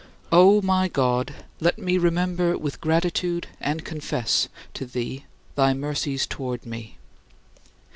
O my God, let me remember with gratitude and confess to thee thy mercies toward me.